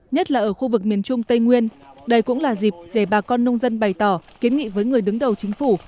nhất là ở khu vực miền trung tây nguyên đây cũng là dịp để bà con nông dân bày tỏ kiến nghị với người đứng đầu chính phủ